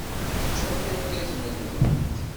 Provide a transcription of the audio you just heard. Teǧǧamt irgazen-nwent.